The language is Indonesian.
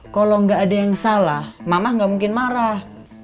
kalo gak ada yang salah mama gak mungkin marah